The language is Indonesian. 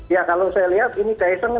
ya kalau saya lihat ini kaisang